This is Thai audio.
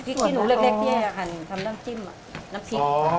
พริกขี้หนูเล็กที่อาหารทำเรื่องจิ้มน้ำพริก